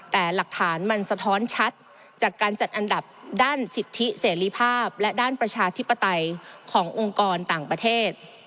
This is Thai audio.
แต่หลักฐานมันสะท้อนชัดจากการจัดอันดับด้านสิทธิเสรีภาพและด้านประชาธิปไตยขององค์กรต่างประเทศ